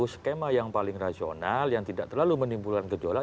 skema yang paling rasional yang tidak terlalu menimbulkan gejolak